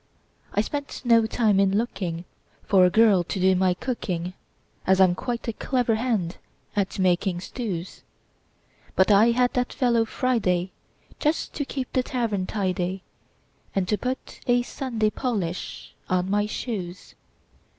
I spent no time in lookingFor a girl to do my cooking, As I'm quite a clever hand at making stews; But I had that fellow Friday, Just to keep the tavern tidy, And to put a Sunday polish on my shoes.